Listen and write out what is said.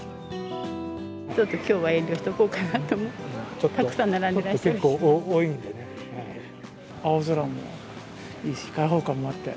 ちょっときょうは遠慮しておこうかなと思って。